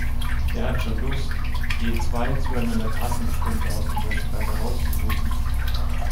Wer hat schon Lust, je zwei zueinander passende Strümpfe aus dem Wäscheberg herauszusuchen?